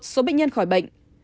một số bệnh nhân khỏi bệnh